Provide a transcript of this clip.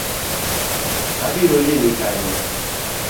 Abiro limi kanyo